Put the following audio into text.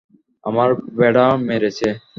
আমার ভেড়া মেরেছে।